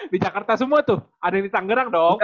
di jakarta semua tuh ada yang di tanggerang dong